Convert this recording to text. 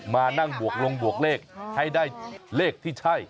มานั่งบวกลงบวกเลขให้ได้เลขที่ใช่